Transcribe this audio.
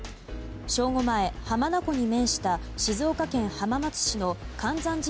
正午前、浜名湖に面した静岡県浜松市のかんざんじ